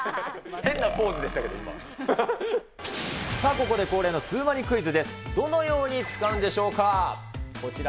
変なポーズでしたけど、ここで恒例、３コインズのツウマニクイズ。